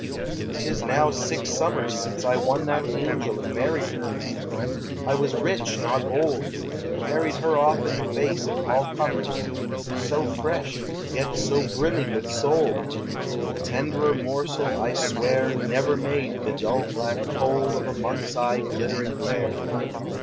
'T is now six summers Since I won that angel and married her: I was rich, not old, and carried her Off in the face of all comers. So fresh, yet so brimming with soul! A tenderer morsel, I swear, Never made the dull black coal Of a monk's eye glitter and glare.